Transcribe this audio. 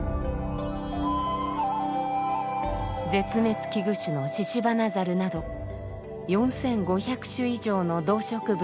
絶滅危惧種のシシバナザルなど４，５００種以上の動植物を育みます。